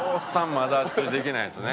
まだついていけないですね。